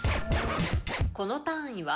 この単位は？